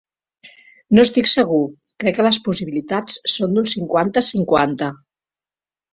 No estic segur; crec que les possibilitats són d'un cinquanta-cinquanta